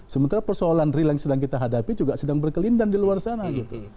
sementara persoalan real yang sedang kita hadapi juga sedang berkelindan di luar sana gitu